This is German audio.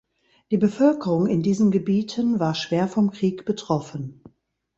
Die Bevölkerung in diesen Gebieten war schwer vom Krieg betroffen.